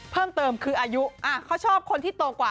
เพิ่มเติมคืออายุเขาชอบคนที่โตกว่า